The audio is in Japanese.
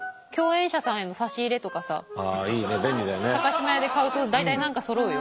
島屋で買うと大体何かそろうよ。